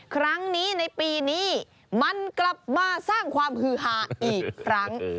ครั้งนี้ในปีนี้มันกลับมาสร้างความฮือฮาอีกครั้ง